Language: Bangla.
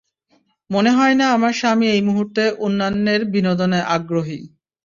মনে হয় না আমার স্বামী এই মুহূর্তে অন্যান্যের বিনোদনে আগ্রহী।